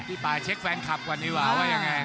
ป่าเช็คแฟนคลับก่อนดีกว่าว่ายังไง